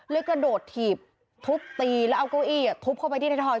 กระโดดถีบทุบตีแล้วเอาเก้าอี้ทุบเข้าไปที่ไทยทอย